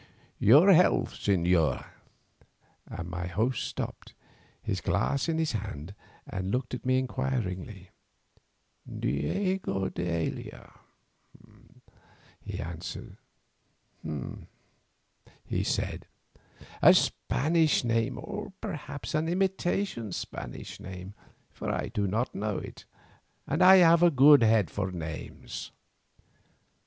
"Your health, señor?" And my host stopped, his glass in his hand, and looked at me inquiringly. "Diego d'Aila," I answered. "Humph," he said. "A Spanish name, or perhaps an imitation Spanish name, for I do not know it, and I have a good head for names."